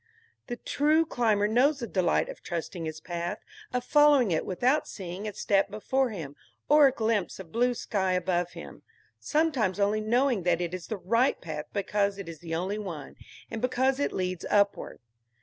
The true climber knows the delight of trusting his path, of following it without seeing a step before him, or a glimpse of blue sky above him, sometimes only knowing that it is the right path because it is the only one, and because it leads upward.